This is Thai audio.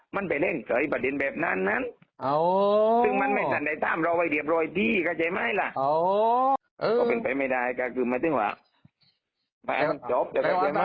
ไม่ได้เครียดไม่ได้เครียด